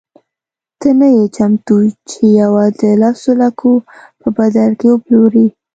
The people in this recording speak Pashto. ته نه یې چمتو چې یوه د لسو لکو په بدل کې وپلورې.